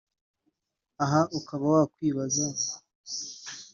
aha ukaba wakwibaza